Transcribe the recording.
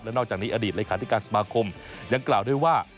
นอกจากนี้อดีตเลขาธิการสมาคมยังกล่าวด้วยว่า